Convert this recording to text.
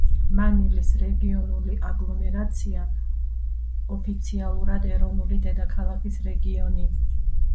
მანილის რეგიონული აგლომერაცია; ოფიციალურად ეროვნული დედაქალაქის რეგიონი